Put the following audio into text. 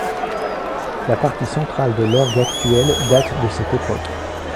La partie centrale de l'orgue actuel date de cette époque.